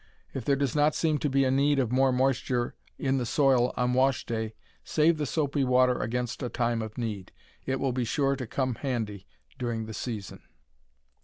If there does not seem to be a need of more moisture in the soil on wash day, save the soapy water against a time of need. It will be sure to "come handy" during the season.